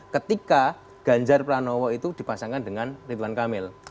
ketika ganjar pranowo itu dipasangkan dengan ridwan kamil